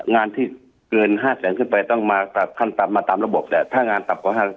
งานที่เกินห้าแสนขึ้นไปต้องมาตับขั้นตับมาตามระบบแต่ถ้างานตับกว่าห้า